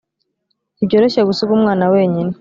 ntibyoroshye gusiga umwana wenyine